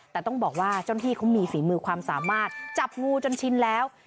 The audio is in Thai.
แต่ต้องบอกว่าเจ้าหน้าที่เขามีฝีมือความสามารถจับงูจนชินแล้ว